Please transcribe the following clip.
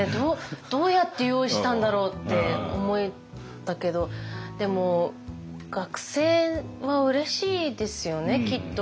どうやって用意したんだろうって思ったけどでも学生はうれしいですよねきっと。